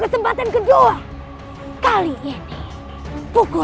aku akan menangkapmu